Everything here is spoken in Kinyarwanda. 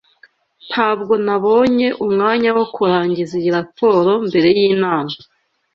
Ntabwo nabonye umwanya wo kurangiza iyi raporo mbere yinama.